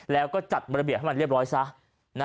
แล้วก็จัดบริเวณเลยสะ